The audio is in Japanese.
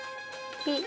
ピッ！